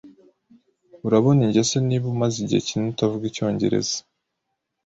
Urabona ingese niba umaze igihe kinini utavuga icyongereza.